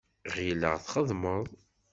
Ɣileɣ txeddmeḍ.